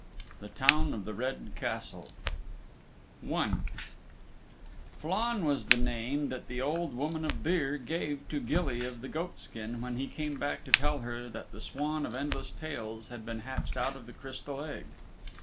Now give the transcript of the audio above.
THE TOWN OF THE RED CASTLE I Flann was the name that the Old Woman of Beare gave to Gilly of the Goatskin when he came back to tell her that the Swan of Endless Tales had been hatched out of the Crystal Egg.